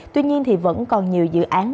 tuy nhiên thì vẫn còn nhiều dự án